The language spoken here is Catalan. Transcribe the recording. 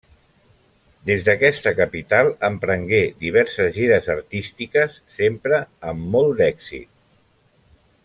Des d'aquesta capital emprengué diverses gires artístiques, sempre amb molt d'èxit.